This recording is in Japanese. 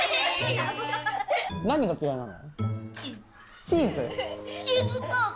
何が嫌いなの？